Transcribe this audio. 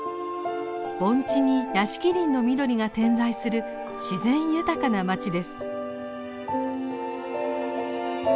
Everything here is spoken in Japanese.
盆地に屋敷林の緑が点在する自然豊かな町です。